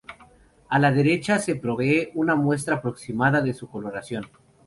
A la derecha se provee una muestra aproximada de su coloración.